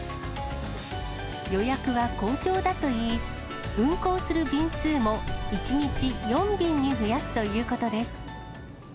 予約は好調だといい、運航する便数も１日４便に増やすということです。